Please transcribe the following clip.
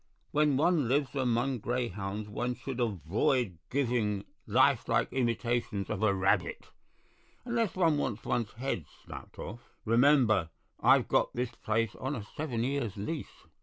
When one lives among greyhounds one should avoid giving life like imitations of a rabbit, unless one want's one's head snapped off. Remember, I've got this place on a seven years' lease.